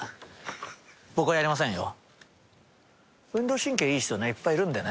僕はやりませんよ。